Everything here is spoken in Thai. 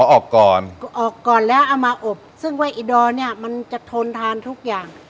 ออกก่อนออกก่อนแล้วเอามาอบซึ่งไว้อิดอเนี่ยมันจะทนทานทุกอย่าง